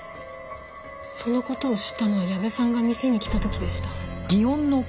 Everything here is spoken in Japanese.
その事を知ったのは矢部さんが店に来た時でした。